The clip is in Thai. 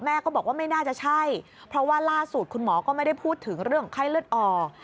ก็บอกว่าไม่น่าจะใช่เพราะว่าล่าสุดคุณหมอก็ไม่ได้พูดถึงเรื่องไข้เลือดออก